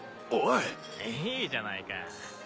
いいじゃないか。